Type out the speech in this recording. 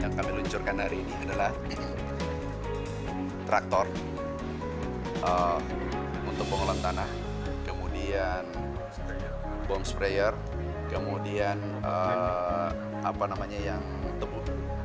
yang kami luncurkan hari ini adalah traktor untuk pengolahan tanah kemudian bom sprayer kemudian apa namanya yang tebu